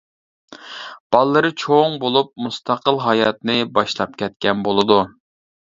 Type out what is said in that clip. بالىلىرى چوڭ بولۇپ، مۇستەقىل ھاياتنى باشلاپ كەتكەن بولىدۇ.